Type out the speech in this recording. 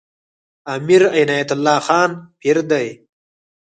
امیر عنایت الله خان پیر دی.